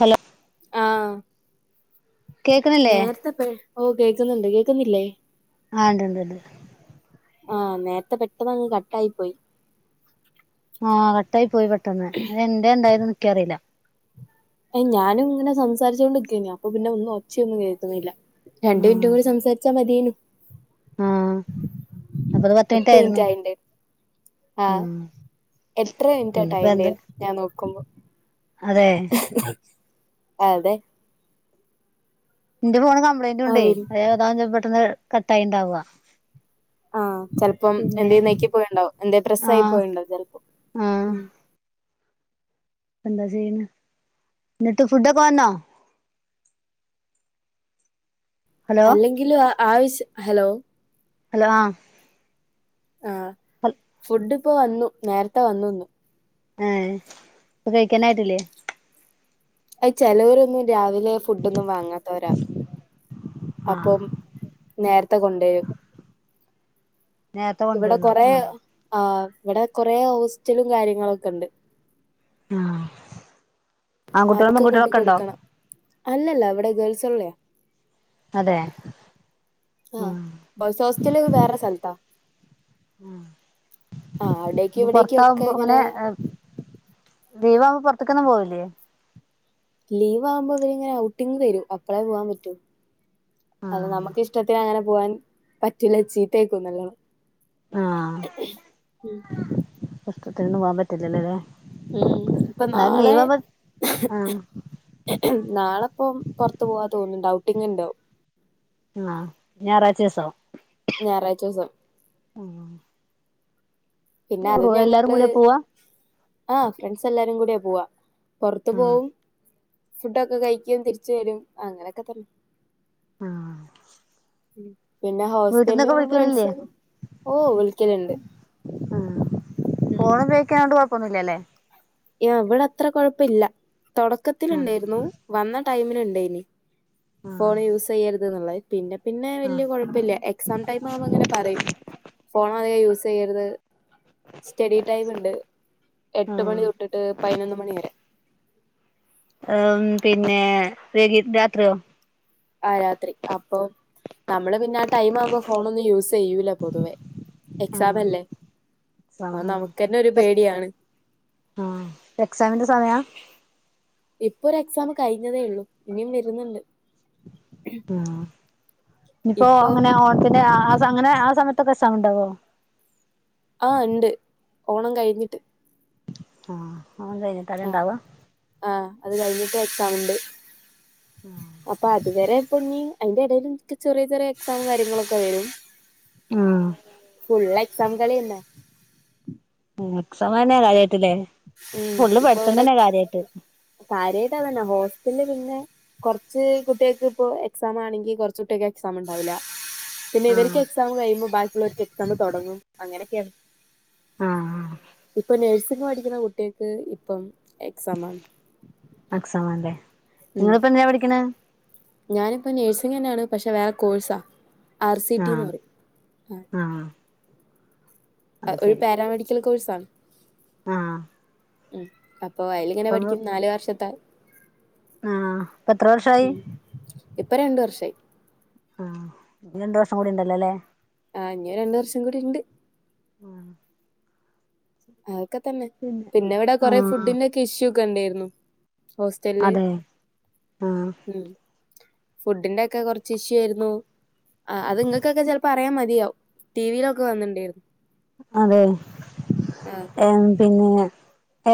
Hello ആ കേക്കണില്ലേ നേരത്തെപ്പേ ഓ കേക്കുന്നുണ്ട് കേൾക്കുന്നില്ലേ ആ ഇണ്ട് ഇണ്ട് ഇണ്ട് ആ നേരത്തെ പെട്ടെന്ന് അങ്ങ് കട്ടായി പോയി ആ കട്ടായി പോയി പെട്ടെന്ന് എന്റെ എന്തായിണ്ടായതെന്ന് നിക്കറിയില്ല ഞാനും ഇങ്ങനെ ഞാൻ സംസാരിച്ചോണ്ടിക്കാനോ അപ്പൊ പിന്നെ ഒന്നും ഒച്ചയൊന്നും കേൾക്കുന്നില്ല ആ രണ്ടു മിനിറ്റും കൂടി സംസാരിച്ചാ മതിയാനു ആ അപ്പൊ അത് പത്ത് മിനിറ്റ് ആയിരുന്നു ആ ഉം എട്ട്ര കഴിഞ്ഞ്ട്ടാ ഇനിപ്പോ ടൈം എന്താ ഞാൻ നോക്കുമ്പോ [unintelligible] അതെ അതെ എന്റെ ഫോണ് കംപ്ലൈന്റ് ഉണ്ടേ അവര് അതേ അതാ പെട്ടെന്ന് കട്ടായി ഇണ്ടാവുക ആ ചെലപ്പം എന്തേലും നെക്കി പോയിണ്ടാവും എന്തെ ആ പ്രസ്സായി പോയിണ്ടവും ചെലപ്പോ ആ ഉം എന്താ ചെയ്യുന്നേ ന്നിട്ട് ഫുഡൊക്കെ വന്നോ ഹലോ അല്ലെങ്കിലും ആ ആവിശ്യ ഹലോ ഹലോ ആ ആ ഫുഡിപ്പോ വന്നു നേരത്തെ വന്നു ഇന്ന് ആ ഇപ്പൊ കഴിക്കാനായിട്ടില്ലേ ആയ് ചെലവരൊന്നും രാവിലെ ഫുഡോന്നും വാങ്ങാത്തവരാ ആ അപ്പം നേര കൊണ്ടോയി നേരത്തെ ഇവിടെ കൊണ്ടുവരുന്നു കൊറെ ആ ആ ഇവിടെ കൊറേ ഹോസ്റ്റലും കാര്യങ്ങളൊക്കെ ഉണ്ട് ആ ആൺകുട്ടികളും അവക്ക് പെൺകുട്ടികളും കൊണ്ട് ഒക്കെ ഉണ്ടോ കൊടുക്കണം അല്ലല്ല അവിടെ ഗേൾസ് ഒൺലിയാ അതെ ആ ഉം ബോയ്സ് ഹോസ്റ്റല് വേറെ സ്ഥലത്താ ആഹ് അവിടേക്കും അപ്പൊ ഇവിടേക്കും ഒക്കെ പോറത്തോവുമ്പോ ഇങ്ങനെ അങ്ങനെ ലീവാകുമ്പോ പോ ത്തേക്കൊന്നും പോവില്ലേ ലീവ് ആവുമ്പോ അവരിങ്ങനെ ഔട്ടിങ്ങ് തരും അപ്പളേ പോവാൻ പറ്റൂ അത് ആഹ് നമുക്ക് ഇഷ്ടത്തിനങ്ങനെ പൂവാൻ പറ്റൂല്ല ചീത്തേക്കും നല്ലോണം ആഹ് വസ്തുത്തിന്നും വാബത്തില്ലല്ലേ ഉം ഇപ്പൊ നാളെ ആഹ് നാളപ്പം പുറത്തു പോവാ തോന്നുന്നു ഡൗട്ടിങ് ഉണ്ടാവും ആ് ഞായറാഴ്ച്ചച ദിവസവും ഞായറാഴ്ച ദിവസം ഉഓ പിന്നെ അത് ഞങ്ങള് കൂടിയാ പോവാ? ആഹ ഫ്രണ്ട്സ് എല്ലാരും കൂടിയ പോവാ പുൊറത്തു ആഹ് പോകവും ഫുഡൊക്കെ കഴിക്കൻ തിരിച്ചു വരും അങ്ങനെയൊക്കെ തന്നെ ആഹ പിന്നെ ഹോസ്റ്റലും ഫ്രണ്ട്സ് ഓ വിളിക്കലുണ്ട് ഉം ഉം ഫോണ് ഉപയോഗിക്കാനോണ്ട് കൊഴപ്പൊന്നുമില്ലല്ലേ ഇവിടെ അത്ര കൊഴപ്പില്ല ആഹ് തുടക്കത്തിുണ്ടായിരുന്നു വന്ന ടൈമിനുണ്ടായിനി ആഹ് ഫോൺ യൂസ് ചെയ്യരുത് എന്നുള്ളത് പിന്നെ പിന്നെ ആഹ് വലിയ കുഴപ്പമില്ല എക്സാം ടൈമ നമുക്ക് അങ്ങനെ പറയും ഫോൺ അധികം യൂസ് ചെയ്യരുത് സ്റ്റഡി ടൈമ ഉണ്ട് എട്ട് ആഹ് മണി തൊട്ടിട്ട് പതിനൊന്ന് മണി വരെ പിന്നെ രകിത് രാത്രിയോ ആ രാത്രി അപ്പൊ നമ്മള് പിന്നെ ടൈം ആവുമ്പോ ഫോണ ഒന്ന് യൂസ് ചെയ ചെയ്യൂല പൊതുവേ എക്സാാം അല്ലേ എസ അത് നമുക്കന്നെ ഒരു പേടിയാണ് ആ ആഹ എക്സമിന്റെ സമയ ഇപ്പൊ ഒരു എക്സാം കഴിഞ്ഞതേ ഉള്ളൂ ഇനിയും വരുന്നുണ്ട് ആ ഇനിപ്പോ ഇപ്പം അങ്ങനെ ഓണത്തിന്റെ അങ്ങനെ ആ സമയത്തൊക്കെ എ സാഖുണ്ടാവോ ആ് ഉണ്ട് ഓണം കഴിഞ്ഞിട്ട് ആഹ ആ ആഹ് അത് കഴിഞ്ഞിട്ട് വെക്കാംുണ്ട് അപ്പൊ അതുവരെ ഇപ്പൊ ന അതിന്റെ ഇടൽും ചെറിയ ചെറിയ എക്സാംും കാര്യങ്ങളൊക്കെ വരും ആഹ സങ്കളിന്നെ ക്സമ തന്നെയ കാര്യായിട്ടല്ലേ പള്ള് പടുത്തം തന്നെ കാര്യായിട്ട് കാര്യട്ടാന്ന ഹോസ്റ്റലില് പിന്നെ കുറച്ച് കുട്ടികൾക്ക് ഇപ്പോ എക്സാ ആണെങ്കിൽ കുറച്ച കുട്ടികക്കെ എക്സാം ഉണ്ടാവില്ല പിന്നെ ഇവർക്ക് ആഹ് എക്സാം കഴിയുമ്പോൾ ബാക്കിയുള്ളവർക്ക് എക്സാം തുടങ്ങും അങ്ങനെയൊക്കെയാണ് ആഹ് ഇപ്പൊ നേഴ്സിംഗ പഠിക്കുന്ന കുട്ടികക്ക് ഇപ്പം എക്സ ആണ് അക്സമാല്ലേ ഉം നിങ്ങളിപ്പോ എന്ാ പഠിക്കണ ഞാനിപ്പോ നേഴ്സിംഗ തന്നെയാണ് പക്ഷെ വേറെ കോഴ്സാ ആർ സി ടിിന്ന് ആഹ് പറയും ആ ആഹ് ഒരു പാരാമെഡിക്കൽ കോഴ്സ് ആണ് ആഹ ഉ അപ്പൊ അയല ഇങ്ങനെ പഠിക്കും നാല് വർഷത്താൽ ആഹ ഇപ്പൊ എത്ര വർഷയി ഉം ഇപ്പൊ രണ്ടു വർഷമായി ആഹ രണ്ടു വർസം കൂടി ഉണ്ടല്ലോ അല്ലേ ആഹ ഇഞ രണ്ടു വർസം കൂടി ഉണ്ട് ആഹ് അതൊക്കെ തന്നെ പിന്നെ ഇവിടെ കൊറെേ ആഹ് ഫുഡിന്റെ ഒക്കെ ഇഷ്യൂ ഒക്കെ ഉണ്ടായിരുന്നു ഹോസ്റ്റല അതെ ആഹ് ഉ ഫുഡിന്റെ ഒക്കെ കുറച്ച് ഇഷ്യൂ ആയിരുന്നു ആ അത് നിങ്ങൾക്കൊക്കെ ചെപ്പോ അറിയൻ മതി ഇയോ ടി വിയിലൊക്കെ വന്നിണ്ടായിരുന്നു അതെ ആഹ് ഏ പിന്നെ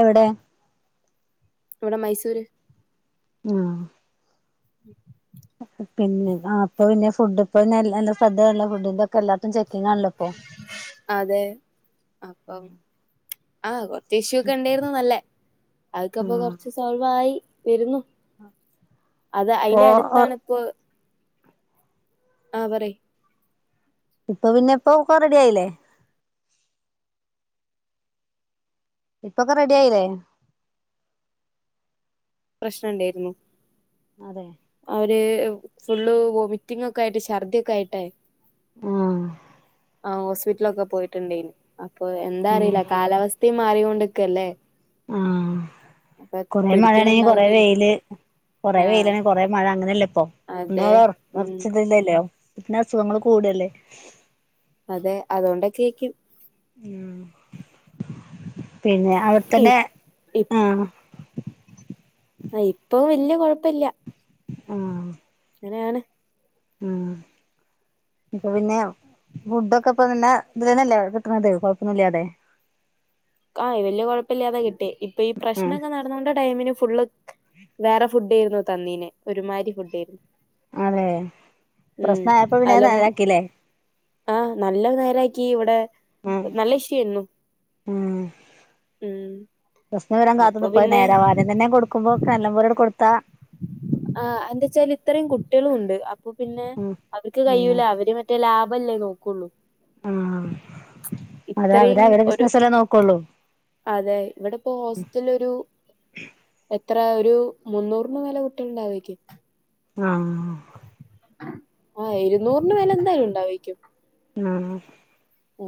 എവിടെ ഇവിടെ മൈസൂര് ആ ഉം [inaudible] അപ്പൊ പിന്നെ ആ അപ്പൊ പിന്നെ ഫുഡ് ഇപ്പൊ നല്ലയല്ല ശ്രദ്ധയൊളള ഫുഡിന്റെ ഒക്കെ എല്ലാടത്തും ചെ അതെ അപ്പം ആ കൊ ച്ചിഷ്യു ഒക്കെ ഒണ്ടായിരുന്നു നല്ലേ അതൊക്കെ ഇപ്പോ ആഹ് കൊറച്ച് സോൾവായി വരുന്നു അതെ ഇപ്പൊ അയിന്റെ അടുത്താണിപ്പൊ ആ പറയ് ഇപ്പൊ പിന്നെ ഇപ്പൊ ഒക്കെ റെഡിയായില്ലേ ഇപ്പൊക്കെ റെഡി ആയില്ലേ പ്രശ്നം ഇണ്ടായിരുന്നു അതെ അവര് ഫുള്ള് വോമിറ്റിംഗൊക്കെ ആയിട്ട് ഛർദിയൊക്കെ ആയിട്ടേ ആ ആ ഹോസ്പിറ്റിലൊക്കെ പോയിട്ടുണ്ടേന് അപ്പൊ എന്താ അറിയില്ല കാലാവസ്ഥയും മാറിക്കൊണ്ടിക്കല്ലേ ആ കൊറേ മഴയാണെങ്കി കൊറേ പിടിക്കുന്നുണ്ടാവില്ലായിരിക്കും വെയില് കൊറേ ആഹ് വെയിലാണെ കൊറേ മഴ അങ്ങനെയല്ലേ ഇപ്പൊ ഒന്ന് അതെ ഉം ഒറച്ചതില്ലല്ലോ പിന്നെ അസുഖങ്ങള് കൂടു അല്ലേ അതെ അതൊണ്ടൊക്കെയായിക്കും ഉം പിന്നെ അവിടത്തന്നെ ആ ആ ഇപ്പൊ വല്യ കൊഴപ്പില്ല്യ ആ ങ്ങനെയാണ് ഉം ഇപ്പൊ പിന്നെ ഫുഡൊക്കെ ഇപ്പൊപിന്നെ ഇതു തന്നല്ലേ കിട്ടണത് കൊഴപ്പൊന്നില്ലേ അവിടെ ആ വല്ല്യ കൊഴപ്പയില്ല്യാതെ കിട്ടി ഇപ്പൊ ഈ ഉം പ്രശ്നൊക്കെ നടന്നുകൊണ്ട ടൈമിന് ഫുള്ള് വേറെ ഫുഡേയിരുന്നു തന്നീനെ ഒരുമായിരി ഫുഡായിരുന്നു അതെ ഉം പ്രശ്നായപ്പോ പിന്നെ അത് അലം നേരാക്കില്ലേ ആ നല്ല നേരായി ക്ക് ഇവിടെ ഉം നല്ല ഇഷ്യൂ ആയിരുന്നു ഉം ഉം പ്രശ്നം വരാൻ കാത്ത് അപ്പൊ നിപ്പായിരുന്നു പിന്നെ നേവാരം [unintelligible] തന്നെ കൊടുക്കുമ്പോ കല്ലമ്പുരോട് [unintelligible] കൊടുത്താ ആ എന്താച്ചാല് ഇത്രയും കുട്ടികളും ഉണ്ട് അവ അപ്പൊ പിന്നെ ഉം അവർക്ക് ഉം കഴിയൂല അവര് മറ്റേ ലാഭല്ലേ നോക്കുള്ളൂ ആ അതെ അവര് ഇത്രയും അവരടെ ഒരു ബിസിനസ്‌ അല്ലേ നോക്കുവൊള്ളൂ അതെ ഇവിടെ ഇപ്പോ ഹോസ്റ്റല് ഒരു ഇത്ര ഒരു മുന്നൂറിന് മേല് കുട്ടികള് ഉണ്ടാവായിരിക്കും ആ ആ ഇരുനൂറിന് മേലേ എന്തായാലും ഉണ്ടാവായിക്കും ആ ആ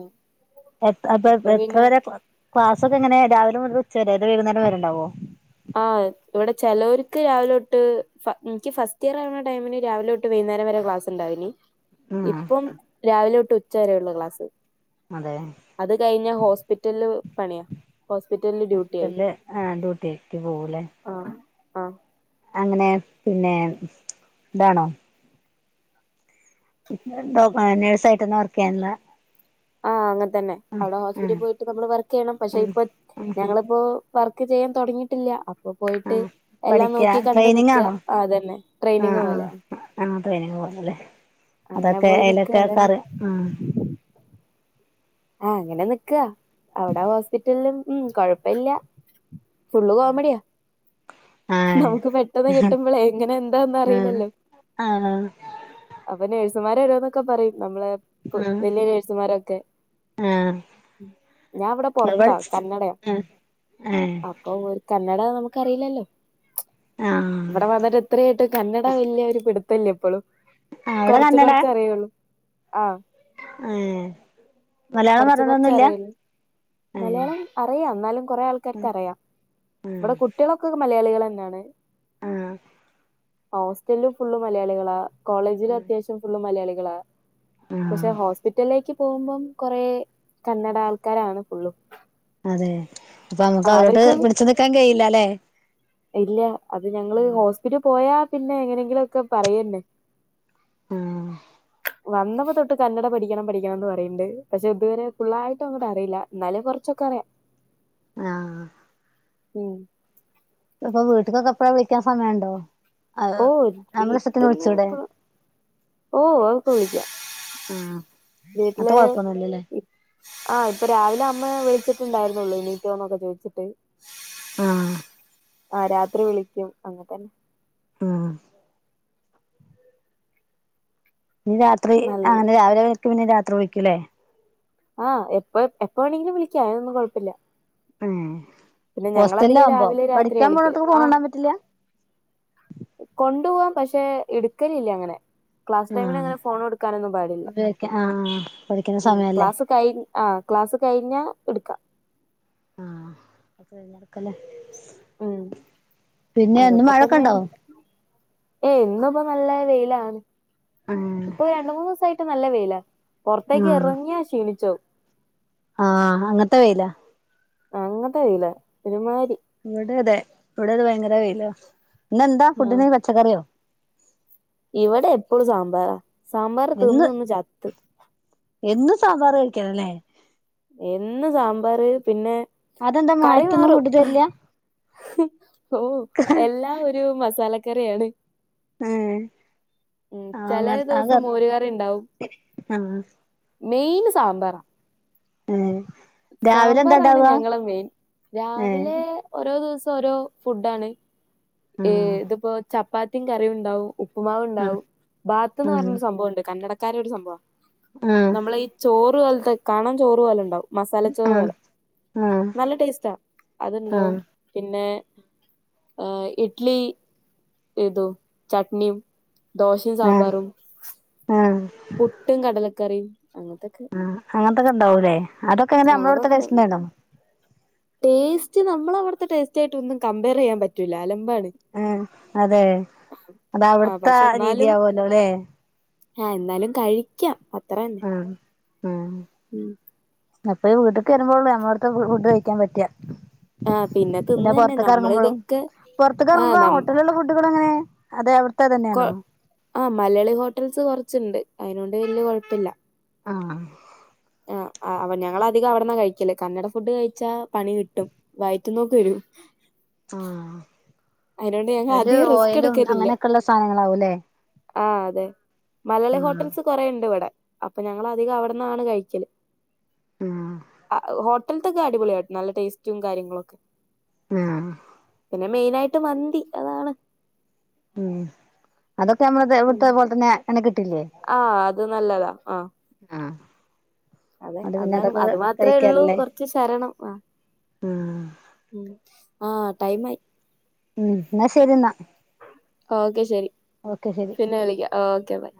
എ അപ്പൊ എത്ര വരെ ക്ലാ ക്ലാസ്സൊക്കെ എങ്ങനെയാ രാവിലെ മുതല് ഉച്ച വരെ അതോ വൈകുന്നേരം വരെ ഉണ്ടാവോ ആ ഇവിടെ ചെലവോർക്ക് രാവിലെതൊട്ട് ഫ എനിക്ക് ഫസ്റ്റ് ഇയർ ആവുന്ന ടൈമിന് രാവിലെ തൊട്ട് വൈ കുന്നേരം വരെ ക്ലാസ് ഉണ്ടായീന് ആഹ് ഇപ്പം രാവിലെ തൊട്ട് ഉച്ച വരെയേ ഒള്ളൂ ക്ലാസ്സ് അതെ അത് കഴിഞ്ഞാ ഹോസ്പിറ്റലില് പണിയാ ഹോസ്പിറ്റലില് ഡ്യൂട്ടി ആയി ഹോസ്പിറ്റലില് ആ ഡ്യൂട്ടിക്ക് പോവൂല്ലേ ആ ആ അങ്ങനെ പിന്നെ ഇതാണോ പിന്നെ ഡോ ഏ നഴ്സായിട്ട് തന്നെ വർക്ക് ചെയ്യാണല്ലേ ആ അങ്ങനെ തന്നെ അവിടെ ഹോസ്പിറ്റലിൽ പോയിട്ട് നമ്മള് വർക്ക് ചെയ്യണം പക്ഷെ ആഹ് ഇപ്പൊ ആഹ് ഞങ്ങളിപ്പോ വർക്ക് ചെയ്യാൻ തൊടങ്ങിയിട്ടില്ല അപ്പൊ പോയിട്ട് ആഹ് എല്ലാം പഠിക്ക നോക്കി കണ്ട് ട്രെയിനിങ് നിക്കുക ആ അതുതന്നെ ട്രെയിനിങ് പോലെയാ ആ ട്രെയിനിങ് പോലല്ലേ അങ്ങനെ അതൊക്കെ പോയി നിക്ക അയിലൊക്കെ അതന്നെ കേറി ആ ആഹ അങ്ങനെ നിക്കവാ അവിടെ ഹോസ്പിറ്റലിലും ഉം കൊഴപ്പില്ല ഫള്ള് പോവാൻമ്പടിയ ആഹ് നമുക്ക് പെട്ടെന്ന് കിട്ടുമ്പോളേ എങ്ങനെ എന്താന്നും അറിയില്ലല്ലോ ആഹ അപ്പ നേഴ്സുമാര എടോന്നൊക്കെ പറയും നമ്മളെ ഇ ആഹ് വലിയ നേഴ്സുമാരൊക്കെ ആഹ് ഞാൻ അവിടെ ഇങ്ങള് പൊറത്താ പഠിച്ച് കന്നഡയാ ആഹ് ഏഹ് അപ്പൊ ഒരു ക നമുക്കറിയില്ലല്ലോ ആഹ് ഇവിടെ വന്നിട്ട് എത്രായിട്ട് കന്നഡ വലിയ പി തല്ലപ്പോളും അവിടെ കൊറച്ച് കൊറച്ച് അറിയുള്ളൂ ആഹ ആഹ കൊറച്ച കൊറച്ച് അറിിയല്ലേ ഏഹ് മലയാളം അറിയാം എന്നാലും കൊറെേ ആൾക്കാർക്ക് അറിയാം ഇവിടെ കുട്ടികളൊക്കെ മലയാളികൾന്നാണ് ആ ഹോസ്റ്റലും ഫുള്ള് മലയാളികളാ കോളേജില ആഹ് അത്യാവശ്യം ഫുള്ള് മലയാളികളാ ആഹ് പക്ഷെ ഹോസ്പിറ്റലിലേക്ക് പോകുമ്പം കൊറെ കന്നട ആൾക്കാരാണ് ഫുള്ളു അതെ ഇപ്പൊ നമുക്ക് അവരോട്ട് പിടിച്ചു നിക്കാൻ കഴിയില്ല അല്ലെ ഇല്ല അത് ഞങ്ങള് ഹോസ്പിറ്റൽ പോയാ പിന്നെ എങ്ങനെങ്കിലും ഒക്കെ പറയന്നെ ആഹ വന്നപ്പോ തൊട്ട് കന്നഡട പഠിക്കണം പഠിക്കണംന്ന് പറയണ്ട് പക്ഷെ ഇതുവരെ ഫുള്ളായിട്ടും അങ്ങോട്ട് അറിയില്ല എന്നന്നാലെ കുറച്ചൊക്കെ അറിയാം ആഹ് ഉം ഇപ്പൊ വീട്ടക്ക് കപ്പട വിളിക്കാൻ സമയുണ്ടോ ഓ വീട്ടന്ന്ക്ക ഓ അവക്കെ വിളിക്കാം ആഹ് അങ്ങൻത്തെ വീട്ടില് കൊഴപ്പൊന്നുല്ലല്ലേ ആഹ് ഇപ്പൊ രാവിലെ അമ്മ വിളിച്ചിട്ട് ണ്ടായിരുന്നുള്ളു ഇനീോന്നൊക്കെ ചോദിച്ചിട്ട് ആഹ ആ രാത്രി വിളിക്കും അങ്ങനെത്തന്നെ ആ ന രാത്രി നല്ല അങ്ങനെ രാവിലെ എക്ക് പിന്നെ രാത്രി വിളിക്കല്ലേ ആഹ് എപ്പ എപ്പ വേണെങ്കിലും വിളിക്ക അൊന്നും കുഴപ്പില്ല ഉം പോസ്റ്റല ആകുമ്പോ രാവിലെ രാത്രിയാ പഠിക്കാൻ വിളിക്കല് പോടത്തക്ക് ഫോണ ആഹ് ഉണ്ടാൻ പറ്റില്ല ഇു പോവാൻ പക്ഷെ എടുക്കലില്ലേ അങ്ങനെ ക്ലാസ് ടൈമിൽ ആഹ് അങ്ങനെ ഫോൺ കൊടുക്കാനൊന്നും പാടില്ല ഉപയോഗിക്ക ആഹ് പഠിക്കുന്ന ഉ സമയല്ലേ ക്ലാസ് കൈ ആഹ ക്ലാസ് കഴിഞ്ഞ എടുക്കാം ആഹ അപ്പ ഴഞ്ഞടുക്കല്ലേ ഉ ഇന്ന് അതൊക്കെ മഴൊക്കെ ഉണ്ടോ തന്നെയാണ് ഏ ഇന്ന് നല്ല വെയിലാണ് ഉം ഇപ്പൊ രണ്ട മൂന്ന് ദിവസായിട്ട് നല്ല വെയില പുറത്തേക്ക് ഇറങ്ങിയാ ക്ഷീണിച്ചോ ആഹ അങ്ങനത്തെ വയില അങ്ങത്തെ അറിയില ഒരുമാരി ഇവിടെ അതെ ഇവിടത് ഭയങ്കര വെയില എന്നന്ന എന്താ ആഹ് ഫുഡിന് പച്ചക്കറിയോ ഇവിടെ എപ്പോഴും സാമ്പാറാ സാമ്പാർ എന്ന് തിന്ന് നിന്ന് ചത്ത് എന്നും സാമ്പാറ് കഴിക്കാനല്ലേ എന്നും സാമ്പാറ് പിന്നെ അതെന്താ കറി മാറ്റൊന്നും മാറും കൂട്ടി തരില്ല ഹ് ഓ എല്ലാ ഒരു മസാലക്കറിയാണ് ആ മ് ആഹ് ചില അങ്ങ ദിവസം കറി മോരുകറി ഉണ്ടാവും ആഹ് മെയിന് സാമ്പാറാ ഏഹ് രാവിലെ എന്താ സാമ്പാറാണ് ഇണ്ടാവാ ഞങ്ങളെ മെയിൻ ഏഹ് രാവിലെ ഓരോ ദിവസ ഓരോ ഫുഡാണ് എ ഇതിപ്പോ ചപ്പാത്തിയും കറിയും ഉണ്ടാവും ഉപ്പുമാവ് ഉണ്ടാവും ബാത്ത് എന്ന് പറഞ്ഞൊരു സംഭവംമുണ്ട് കന്നടക്കാര ഒരു സംഭവമാണ് നമ്മളെ ഈ ചോറ് പോലത്തെ കാണാൻ ചോറ് പോലെ ഉണ്ടാവും മസാലച്ചോറ് പോലെ അങ്ങനത്തൊക്കെ നല്ല ടേസ്റ്റാ അതുണ്ടാവും പിന്നെ ആ ഇഡ്ലി ഏതു ചട്നിയും ദോശയും സാമ്പാറും പുട്ടും കടലക്കറിയും അങ്ങനത്തൊക്കെ ക്കെ ഉണ്ടാവുല്ലെ അതൊക്കെ എങ്ങനെ ആഹ് നമ്മുടെ അടുത്തെ അതൊക്കെ ടേസ്റ്റ് ഉണ്ടാവും തന്നെയാണോ ടേസ്റ്റ് നമ്മള അവിത്തെ ടേസ്റ്റ് ആയിട്ട് ഒന്നും കമ്പെയർ ചെയ്യാൻ പറ്റുല്ല അലം ആ അതെ അത ആഹ് അവിടുത്തെ രീതിയാവുല്ലോല്ലെ ആ എന്നാലും കഴിക്കാം തന്നെ ആ ആ ഉം അപ്പൊ വീട്ടിൽക്ക് വരുമ്പോള്ളൂ നമ്മടുത്തെ ഫുഡ് കഴിക്കാൻ പറ്റിയ ആഹ് തിന്ന് പിന്നെ തന്നെ പൊറത്തേക്ക് നമ്മള് ഇറങ്ങുമ്പോഴും ഇതൊക്കെ പൊറത്തൊക്ക ആഹ് ഇറങ്ങുമ്പോ നം ഹോട്ടലിലുള്ള ഫുഡക്കെ എങ്ങനെ അതെ അവർ കൊ ആ മലയാളി ഹോട്ടൽസ് കൊറച്ചുണ്ട് അതിനൊണ്ട് വലിയ കൊഴപ്പില്ല ആ ആ അ ഞങ്ങളധികം അവിടന്നാ കഴിക്കലേ കന്നഡ ഫുഡ് കഴിച്ചാൽ പണി കിട്ടും വ ഇറ്റ നോക്ക വരൂ അതിനോണ്ട് ഞങ്ങൾ അതില് അധികം റിസ്ക് ഓയിലും എടുക്കലില്ല അങ്ങനെയൊക്കെയുള്ള സാധനങ്ങളാവൂല്ലേ ആ അതെ മലയാളി ഉം ഹോട്ടൽസ് കൊറെണ്ട് ഇവിടെ അപ്പൊ ഞങ്ങള അധികം അവിടന്നാണ് കഴിക്കല് ഉം ആ ഹോട്ടലത്തൊക്കെ അടിപൊളിയട്ടെ നല്ല ടേസ്റ്റും കാര്യങ്ങളൊക്കെ ആ ട്ട് മന്തി അതാണ് ഉം അതൊക്കെ നമ്മള ഇവിടുത്തെ പോലെ തന്നെ അങ്ങനെ കിട്ട ട്ടില്ലേ ആഹ് അത് നല്ലതാ ആഹ് ആ അതെ അതാണ് അത് മാത്രേ ഉള്ളൂ കഴിക്കാറില്ലേ കൊറച്ച് ശരണം ആ ഉം മ് ആഹ് ടൈം ആയി ഉം എന്നാ ശരി എന്നാ ഓക്കെ ശെരി ഓക്കെ ശരി പിന്നെ വിളിക്കാം ഓക്കെ ബൈ